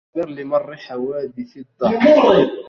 اصبر لمر حوادث الدهر